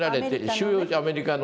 収容所アメリカの。